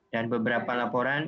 dan beberapa lawan lawan yang menetap